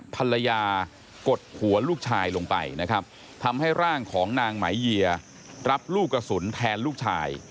ภรรยากดหัวลูกชายลงไปนะครับทำให้ร่างของนางไหมเยียรับลูกกระสุนแทนลูกชาย